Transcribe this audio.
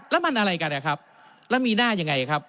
แล้วมันอะไรกันนะครับแล้วมีหน้ายังไงครับ